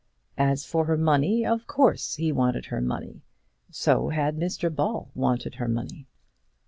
As for her money, of course he wanted her money. So had Mr Ball wanted her money.